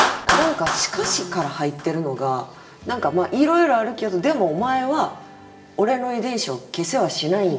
何か「しかし」から入ってるのがいろいろあるけどでもお前は俺の遺伝子を消せはしないんだ。